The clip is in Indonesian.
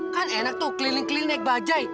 kan enak tuh keliling keliling naik bajai